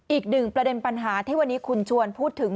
อีกหนึ่งประเด็นปัญหาที่วันนี้คุณชวนพูดถึง